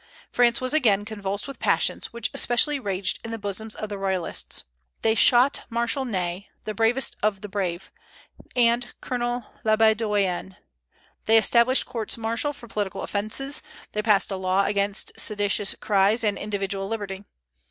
France was again convulsed with passions, which especially raged in the bosoms of the Royalists. They shot Marshal Ney, the bravest of the brave, and Colonel Labedoyèn; they established courts martial for political offences; they passed a law against seditious cries and individual liberty.